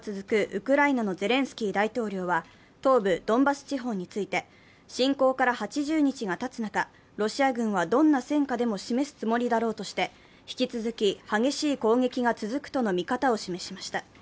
ウクライナのゼレンスキー大統領は、東部ドンバス地方について侵攻から８０日がたつ中ロシア軍はどんな戦果でも示すつもりだろうとして引き続き激しい攻撃が続くとの見方を示しました。